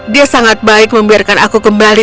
dia sangat baik membiarkan aku kembali